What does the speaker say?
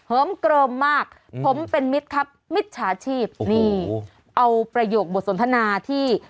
เหิมเกิรมมากผมเป็นมิตรครับมิตรชาชีพโอ้โหนี่เอาประโยคบทสนทนาที่